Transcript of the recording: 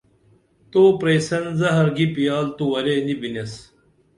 تو پرئسن زہر گی پیال تو ورے نی بِنیس